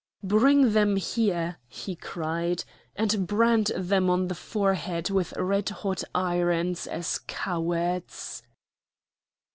"Bring them here!" he cried; "and brand them on the forehead with red hot irons as cowards!"